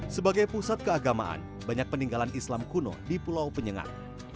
sebagai pusat keagamaan banyak peninggalan islam kuno di pulau penyengat